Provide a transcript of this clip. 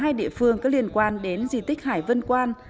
hai địa phương có liên quan đến di tích hải vân quan